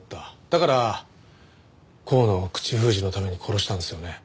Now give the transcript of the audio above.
だから香野を口封じのために殺したんですよね？